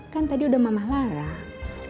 kan tadi udah mama larang